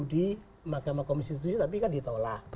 di magama komisi institusi tapi kan ditolak